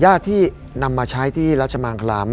ญาติที่นำมาใช้ที่รัชมังคลาม